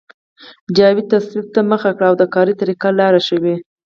جاوید تصوف ته مخه کړه او د قادرې طریقې لاروی شو